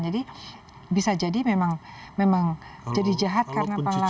jadi bisa jadi memang jadi jahat karena pengelakan